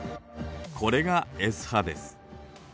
これがＳ波です。